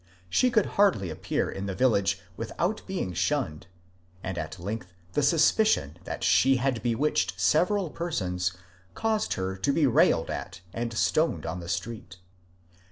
She could hardly appear in the village without being shunned, and at lengdi the suspicion that she had bewitched several persons caused her to be railed at and stoned on the street.